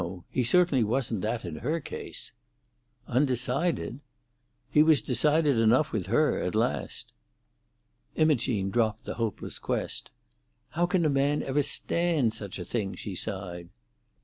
He certainly wasn't that in her case." "Undecided?" "He was decided enough with her—at last." Imogene dropped the hopeless quest, "How can a man ever stand such a thing?" she sighed.